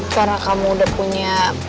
karena kamu udah punya